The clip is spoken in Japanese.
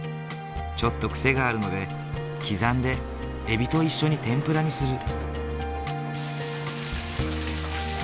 ちょっと癖があるので刻んでエビと一緒に天ぷらにする。